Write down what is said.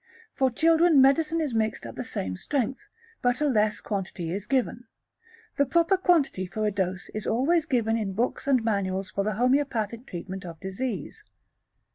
For children medicine is mixed at the same strength, but a less quantity is given. The proper quantity for a dose is always given in books and manuals for the homoeopathic treatment of disease.